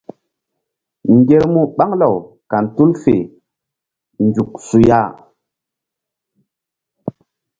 Ŋgermu ɓaŋ law kan tul fe nzuk su ya.